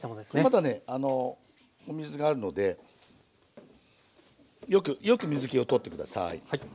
まだねお水があるのでよくよく水けを取って下さい。